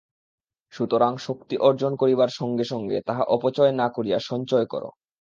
সুতরাং শক্তি অর্জন করিবার সঙ্গে সঙ্গে তাহা অপচয় না করিয়া সঞ্চয় কর।